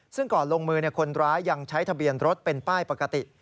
ซึ่งก่อนลงมือคนร้ายยังใช้ทะเบียนรถเป็นป้ายปกติ